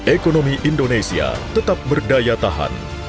ekonomi indonesia tetap berdaya tahan